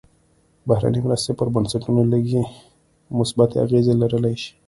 بهرنۍ مرستې پر بنسټونو لږې مثبتې اغېزې لرلی شي.